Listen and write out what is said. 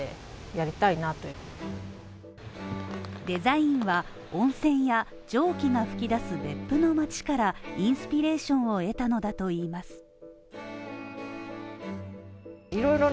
デザインは温泉や蒸気が噴き出す別府の街からインスピレーションを得たのだといいます。